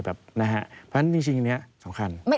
เพราะฉะนั้นจริงอันนี้สำคัญ